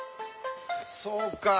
そうか。